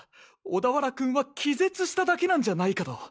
小田原君は気絶しただけなんじゃないかと。